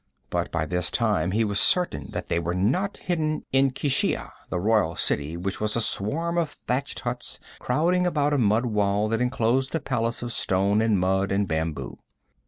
But by this time he was certain that they were not hidden in Keshia, the royal city which was a swarm of thatched huts crowding about a mud wall that enclosed a palace of stone and mud and bamboo.